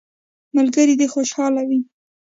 ملګري دي خوشحاله وي.